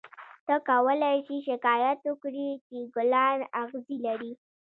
ته کولای شې شکایت وکړې چې ګلان اغزي لري.